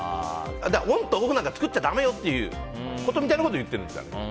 オンとオフなんか作っちゃダメよみたいなことを言ってるんですよ。